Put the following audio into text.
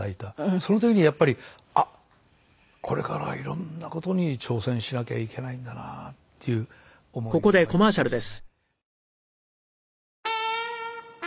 その時にやっぱりあっこれからはいろんな事に挑戦しなきゃいけないんだなっていう思いが湧いてきましたね。